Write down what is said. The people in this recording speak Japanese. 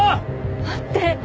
待って。